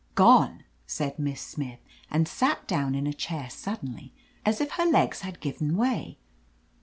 "Gone!" said Miss Smith, and sat down in a chair suddenly, as if her legs had given way.